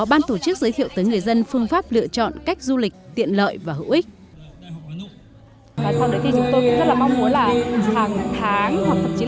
ban tổ chức giới thiệu tới người dân phương pháp lựa chọn cách du lịch tiện lợi và hữu ích